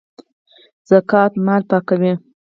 زکات مال پاکوي